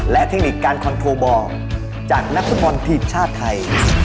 และเทคนิคการคอนโทรบอลจากนักฟุตบอลทีมชาติไทย